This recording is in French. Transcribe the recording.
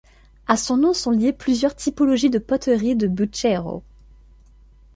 À son nom sont liées plusieurs typologies de poteries de bucchero.